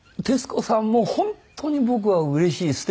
徹子さんも本当に僕はうれしい。